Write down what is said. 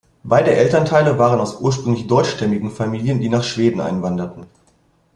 Beide Elternteile waren aus ursprünglich deutschstämmigen Familien, die nach Schweden einwanderten.